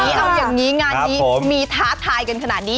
เอาอย่างนี้งานนี้มีท้าทายกันขนาดนี้